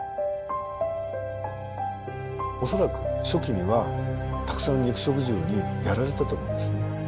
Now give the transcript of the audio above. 恐らく初期にはたくさん肉食獣にやられたと思うんですね。